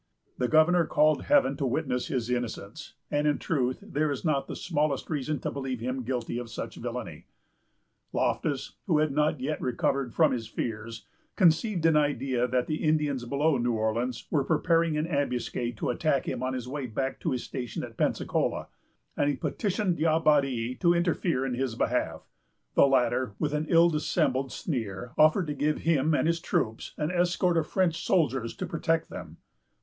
The governor called Heaven to witness his innocence; and, in truth, there is not the smallest reason to believe him guilty of such villany. Loftus, who had not yet recovered from his fears, conceived an idea that the Indians below New Orleans were preparing an ambuscade to attack him on his way back to his station at Pensacola; and he petitioned D'Abbadie to interfere in his behalf. The latter, with an ill dissembled sneer, offered to give him and his troops an escort of French soldiers to protect them.